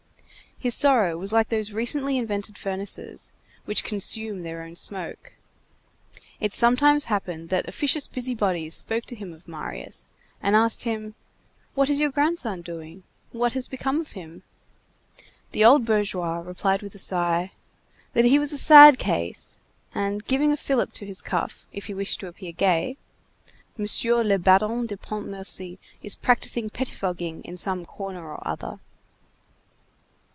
His sorrow was like those recently invented furnaces which consume their own smoke. It sometimes happened that officious busybodies spoke to him of Marius, and asked him: "What is your grandson doing?" "What has become of him?" The old bourgeois replied with a sigh, that he was a sad case, and giving a fillip to his cuff, if he wished to appear gay: "Monsieur le Baron de Pontmercy is practising pettifogging in some corner or other."